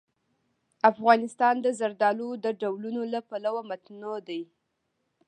افغانستان د زردالو د ډولونو له پلوه متنوع دی.